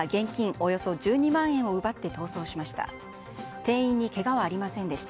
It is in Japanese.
およそ１２万円を奪って逃走しました。